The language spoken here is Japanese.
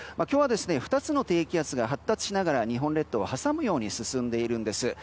今日は、２つの低気圧が発達しながら日本列島を挟むように進んでいるんです。